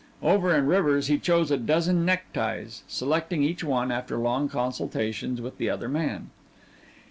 Over in Rivers' he chose a dozen neckties, selecting each one after long consultations with the other man.